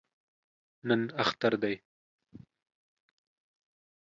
نن اختر دی